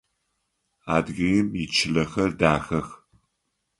Адыгеим ичылэхэр дахэх.